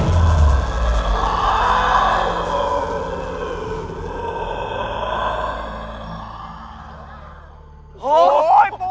พูกรักคอมพี่มาแล้วพูก